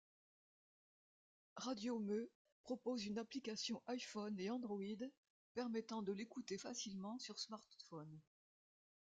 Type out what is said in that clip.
Radio Meuh propose une application iPhone et Android permettant de l'écouter facilement sur smartphone.